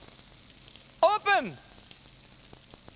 オープン！